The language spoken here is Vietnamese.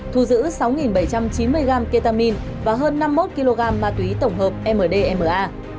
thu giữ sáu bảy trăm chín mươi gram ketamine và hơn năm mươi một kg ma túy tổng hợp mdma